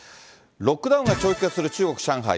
ロックダウンが長期化する中国・上海。